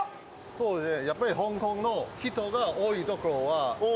そうですね